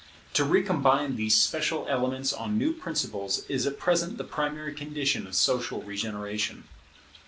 To recombine these special elements on new principles is at present the primary condition of social regeneration.